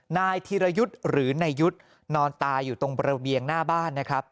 นายธีรยุทธ์หรือนายยุทธ์นอนตายอยู่ตรงระเบียงหน้าบ้านนะครับ